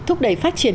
thúc đẩy phát triển